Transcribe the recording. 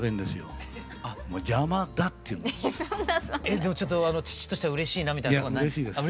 えっでもちょっと父としてはうれしいなみたいなとこはない。